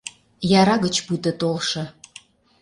Яра гыч пуйто толшо.